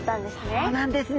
そうなんですね。